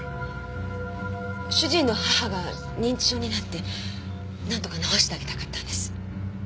主人の母が認知症になってなんとか治してあげたかったんです。